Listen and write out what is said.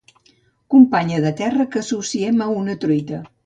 Companya de terra que associem a una truita.